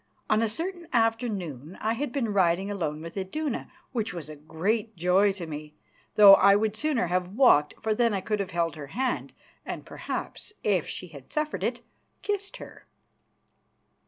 On a certain afternoon I had been riding alone with Iduna, which was a great joy to me, though I would sooner have walked, for then I could have held her hand, and perhaps, if she had suffered it, kissed her.